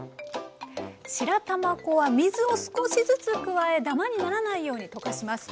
白玉粉は水を少しずつ加えダマにならないように溶かします。